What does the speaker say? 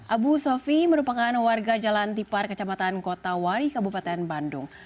abu sofi merupakan warga jalan tipar kecamatan kota wari kabupaten bandung